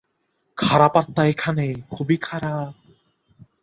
খারাপ আত্মা এখানে, খুবই খারাপ।